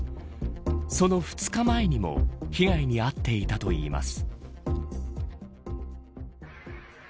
その２日前にも被害に遭っていたといいます。